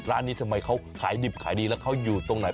ร้านนี้ทำไมเขาขายดิบขายดีแล้วเขาอยู่ตรงไหน